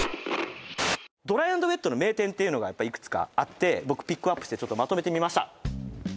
ドライ＆ウェットの名店っていうのがいくつかあって僕ピックアップしてちょっとまとめてみました